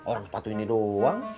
orang sepatu ini doang